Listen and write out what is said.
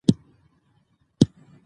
نایبالسلطنه د هغې مینهوال و.